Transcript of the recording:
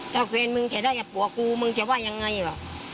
ถ้าแฟนมึงจะได้กับผัวกูมึงจะว่ายังไงว่ะ